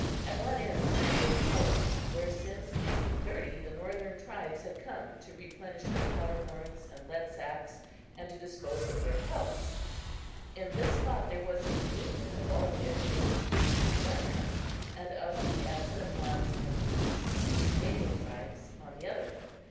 At one end stood the old fort where since 1830 the northern tribes had come to replenish their powder horns and lead sacks and to dispose of their pelts. In this spot there was a reunion of all the renegade Sioux on the one hand and of the Assiniboines and Crees, the Canadian tribes, on the other.